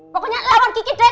pokoknya lawan gigi deh